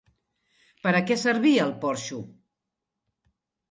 Per a què servia el porxo?